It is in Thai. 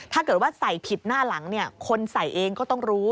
ถ้าเกิดว่าใส่ผิดหน้าหลังเนี่ยคนใส่เองก็ต้องรู้